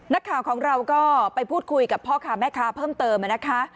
นักข่าวของเราก็ไปพูดคุยกับพ่อค้าแม่ค้าเพิ่มเติมนะคะ